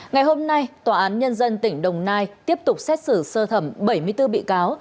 ngày hôm nay tòa án nhân dân tỉnh đồng nai tiếp tục xét xử sơ thẩm bảy mươi bốn bị cáo